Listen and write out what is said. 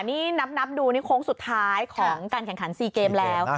นี่นับดูนี่โค้งสุดท้ายของการแข่งขัน๔เกมแล้ว